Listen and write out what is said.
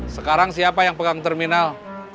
sekarang siapa yang pegang terminal